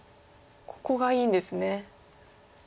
ここがいいんですね。